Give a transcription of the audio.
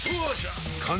完成！